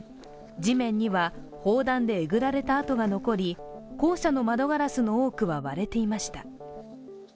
地面には砲弾でえぐられた跡が残り校舎の窓ガラスの多くは割れていました。